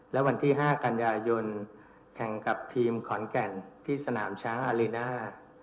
และวันที่๕กันยายนแข่งกับทีมขอนแก่นที่สนามช้างอารีน่า